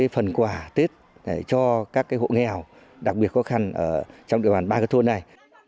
phần quà tết cho các hộ nghèo đặc biệt khó khăn ở trong địa phần ba cái thôn này